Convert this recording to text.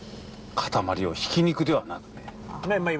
塊をひき肉ではなくね。